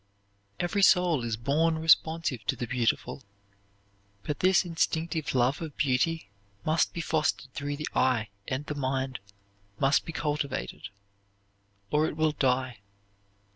Every soul is born responsive to the beautiful, but this instinctive love of beauty must be fostered through the eye and the mind must be cultivated, or it will die.